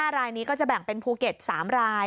๕รายนี้ก็จะแบ่งเป็นภูเก็ต๓ราย